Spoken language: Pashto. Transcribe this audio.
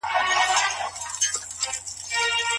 آيا خاوند په حقوقو کي تر ميرمني افضليت لري؟